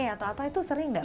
atau apa itu sering nggak